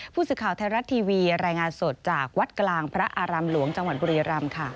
ผู้สื่อข่าวไทยรัฐทีวีรายงานสดจากวัดกลางพระอารามหลวงจังหวัดบุรีรำค่ะ